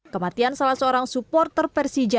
kematian salah seorang supporter persija